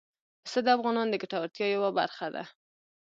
پسه د افغانانو د ګټورتیا یوه برخه ده.